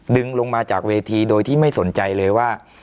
ลงมาจากเวทีโดยที่ไม่สนใจเลยว่า